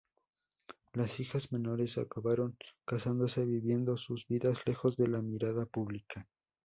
Las hijas menores acabaron casándose, viviendo sus vidas lejos de la mirada pública.